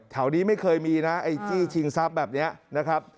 แถวนี้ไม่เคยมีน่ะไอ้จี้ชิงซับแบบเนี้ยนะครับ